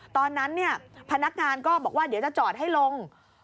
ตอนนั้นพนักงานก็บอกว่าเดี๋ยวจะจอดให้ลง